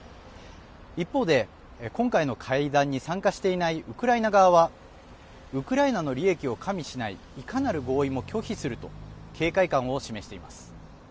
一方で、今回の会談に参加していないウクライナ側はウクライナの利益を加味しないいかなる合意も拒否すると警戒感を示しています。